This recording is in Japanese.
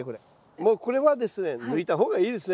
もうこれはですね抜いた方がいいですね